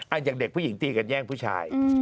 อย่างเด็กผู้หญิงตีกันแย่งผู้ชาย